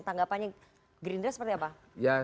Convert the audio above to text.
tanggapannya gerindra seperti apa